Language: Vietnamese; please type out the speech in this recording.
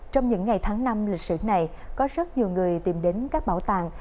trong những ngày tháng năm lịch sử này có rất nhiều người tìm đến các bảo tàng